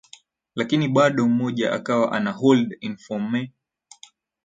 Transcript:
lakini bado mmoja akawa anahold informa